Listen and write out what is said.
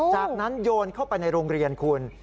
จากนั้นโยนเข้าไปในโรงเรียนคุณ